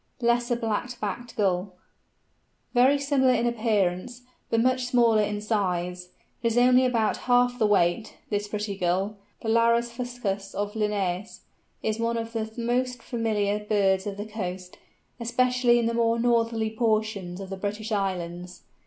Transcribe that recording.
LESSER BLACK BACKED GULL. Very similar in appearance, but much smaller in size—it is only about half the weight—this pretty Gull, the Larus fuscus of Linnæus, is one of the most familiar birds of the coast, especially in the more northerly portions of the British Islands.